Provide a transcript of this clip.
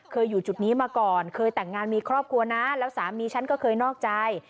อยู่จุดนี้มาก่อนเคยแต่งงานมีครอบครัวนะแล้วสามีฉันก็เคยนอกใจ